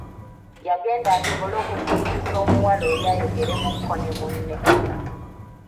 Yagenda asobole okukkirizisa omuwala oli ayogeremuuko ne munne.